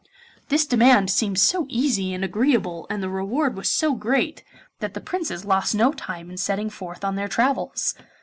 This demand seemed so easy and agreeable and the reward was so great, that the Princes lost no time in setting forth on their travels.